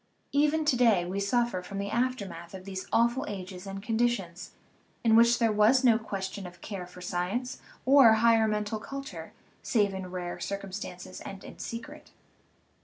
Even to day we suffer from the aftermath of these awful ages and conditions, in which there was no ques 318 SCIENCE AND CHRISTIANITY tion of care for science or higher mental culture save in rare circumstances and in secret.